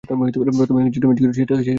প্রথম ইনিংস যেটা মিস করেছে, সেটা বলতে পারেন।